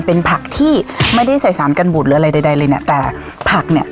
เป็นผักที่ไม่ได้ใส่สารกันบุตรหรืออะไรใดใดเลยเนี่ยแต่ผักเนี้ย